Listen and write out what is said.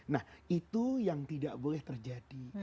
nah itu yang tidak boleh terjadi